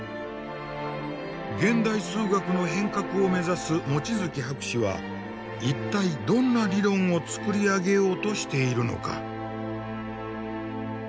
現代数学の変革を目指す望月博士は一体どんな理論を作り上げようとしているのか。